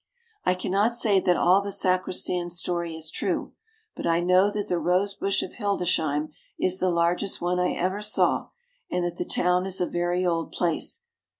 I can not say that all the sacristan's story is true, but I know that the rose bush of Hildesheim is the largest one I ever saw, and that the town is a very old place.